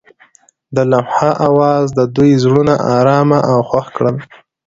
د لمحه اواز د دوی زړونه ارامه او خوښ کړل.